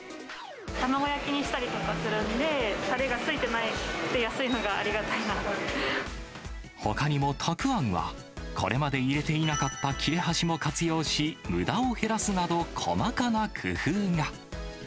卵焼きにしたりとかするんで、たれがついてなくてほかにもたくあんは、これまで入れていなかった切れ端も活用し、むだを減らすなど、細かな工夫が。